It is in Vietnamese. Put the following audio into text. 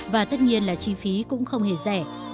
và tất nhiên là chi phí cũng không hề rẻ